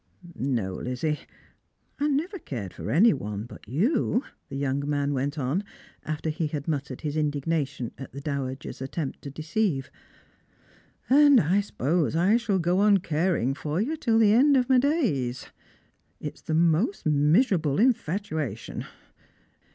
" No, Lizzie, I never cared for any one but you," the young man went on, after he had muttered his indignation at the dowager's attempt to deceive ;" and I suppose I ahall go on caring for you till the end of my days. It's the mc^t miserable infatuation.